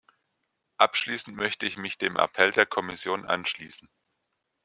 Abschließend möchte ich mich dem Appell der Kommission anschließen.